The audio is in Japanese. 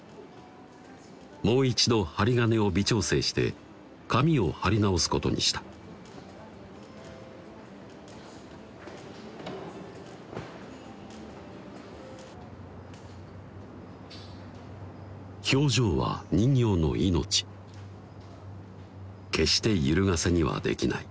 もう一度針金を微調整して紙を貼り直すことにした表情は人形の命決してゆるがせにはできない